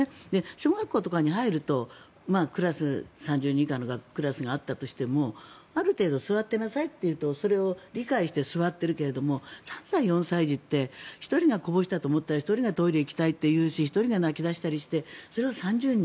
小学校とかに入ると３０人以下のクラスがあったとしてもある程度、座ってなさいと言うとそれを理解して座っているけれども３歳、４歳児って１人がこぼしたと思ったら１人がトイレ行きたいと言うし１人が泣き出したりするしそれが３０人